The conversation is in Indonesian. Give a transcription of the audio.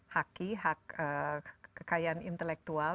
hak kekayaan intelektual